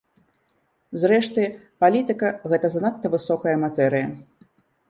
Зрэшты, палітыка гэта занадта высокая матэрыя.